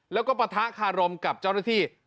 แล้วก็ปะทะคารมกับเจ้าหน้าที่